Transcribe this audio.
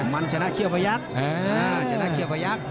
มันชนะเคี้ยวบ่ยักษ์